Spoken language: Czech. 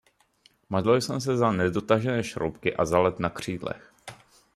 Modlil jsem se za nedotažené šroubky a za led na křídlech.